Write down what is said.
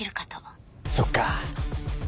そっか。